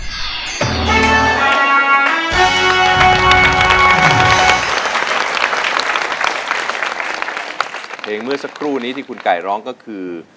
เพลงเมื่อสักครู่นี้ที่คุณไก่ร้องก็คือ